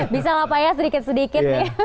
bisa ngapain ya sedikit sedikit nih